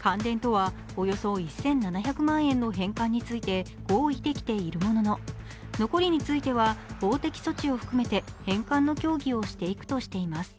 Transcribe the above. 関電とはおよそ１７００万円の返還について、合意できているものの、残りについては法的措置を含めて返還の協議をしていくとしています。